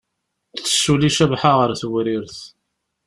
Tessuli Cabḥa ɣer Tewrirt.